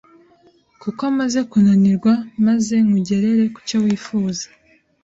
kuko maze kunanirwa, maze nkugerere ku cyo wifuza